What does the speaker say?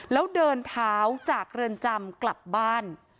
แล้วเดินเท้าจากเรือนจำกลับบ้าน